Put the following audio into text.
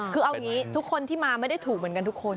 คือเอางี้ทุกคนที่มาไม่ได้ถูกเหมือนกันทุกคน